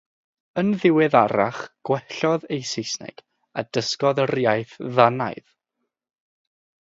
Yn ddiweddarach gwellodd ei Saesneg a dysgodd yr iaith Ddanaidd.